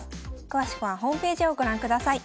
詳しくはホームページをご覧ください。